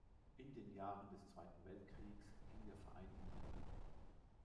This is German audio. In den Jahren des Zweiten Weltkriegs ging der Verein unter.